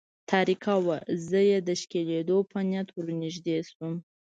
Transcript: تاریکه وه، زه یې د ښکلېدو په نیت ور نږدې شوم.